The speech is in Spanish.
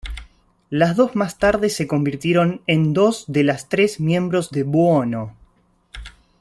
Las dos más tarde se convirtieron en dos de las tres miembros de Buono!